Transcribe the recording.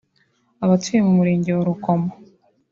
Abatuye mu murenge wa Rukomo